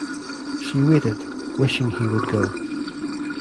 She waited, wishing he would go.